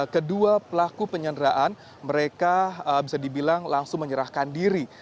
kedua pelaku penyanderaan mereka bisa dibilang langsung menyerahkan diri